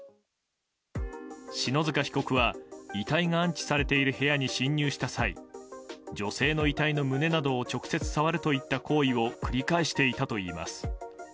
篠塚被告は、遺体が安置されている部屋に侵入した際女性の遺体の胸などを直接触るといった行為を繰り返していたといいます。